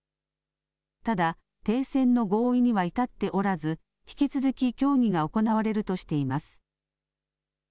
ただ停戦の合意には至っておらず引き続き協議が行われるとしています。